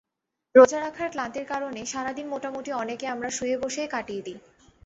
রোজা রাখার ক্লান্তির কারণে সারা দিন মোটামুটি অনেকে আমরা শুয়ে-বসেই কাটিয়ে দিই।